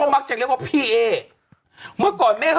ดันเสียงคึ้นหน่อย